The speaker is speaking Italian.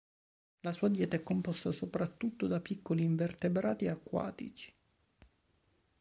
La sua dieta è composta soprattutto da piccoli invertebrati acquatici.